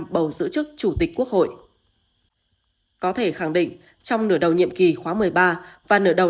bầu giữ chức chủ tịch quốc hội có thể khẳng định trong nửa đầu nhiệm kỳ khóa một mươi ba và nửa đầu